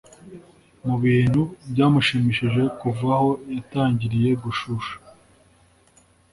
Mu bintu byamushimishije kuva aho yatangiriye gushusha